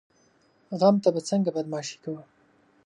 غم ته به څنګه بدماشي کوو؟